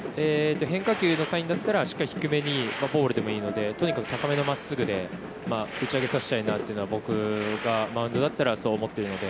変化球のサインだったらしっかり低めにボールでもいいので高めの真っすぐで打ち上げさせたいなというのが僕がマウンドだったらそう思ってるので。